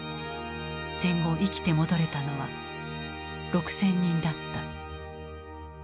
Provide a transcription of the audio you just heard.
戦後生きて戻れたのは６０００人だった。